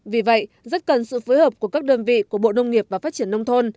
vì vậy rất cần sự phối hợp của các đơn vị của bộ nông nghiệp và phát triển nông thôn